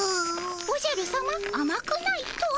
おじゃるさまあまくないとは？